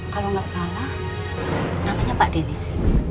kalau gak salah namanya pak dennis